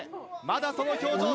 まだその表情